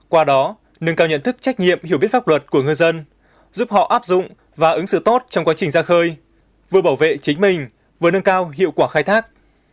qua đó nâng cao nhận thức trách nhiệm hiểu biết pháp luật của ngư dân giúp họ áp dụng và ứng xử tốt trong quá trình ra khơi vừa bảo vệ chính mình vừa nâng cao hiệu quả khai thác